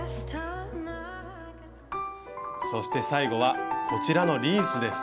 そして最後はこちらのリースです。